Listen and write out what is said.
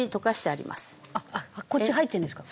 こっち入ってるんですか？